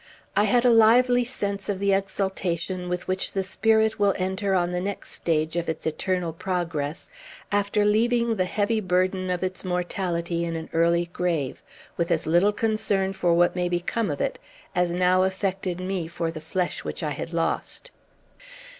I had a lively sense of the exultation with which the spirit will enter on the next stage of its eternal progress after leaving the heavy burden of its mortality in an early grave, with as little concern for what may become of it as now affected me for the flesh which I had lost.